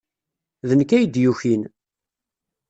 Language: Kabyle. D nekk ay d-yukin.